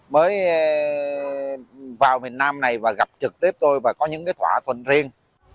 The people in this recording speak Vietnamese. mới vào việt nam này và gặp trực tiếp tôi và có những cái thỏa thuận riêng